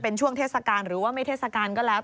เป็นช่วงเทศกาลหรือว่าไม่เทศกาลก็แล้ว